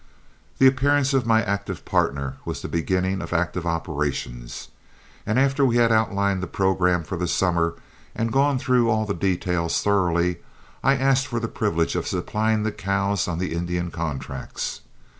The appearance of my active partner was the beginning of active operations, and after we had outlined the programme for the summer and gone through all the details thoroughly, I asked for the privilege of supplying the cows on the Indian contracts.